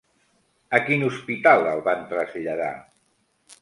A quin hospital el van traslladar?